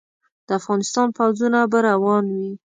د افغانستان پوځونه به روان وي.